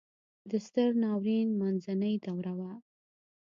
د ستر ناورین منځنۍ دوره وه.